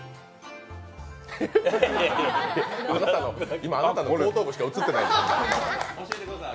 今、あなたの後頭部しか映ってないよ。